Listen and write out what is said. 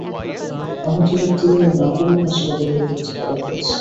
আহত ব্যক্তিদের নাকুরু হাসপাতালে ভর্তি করা হয়েছে।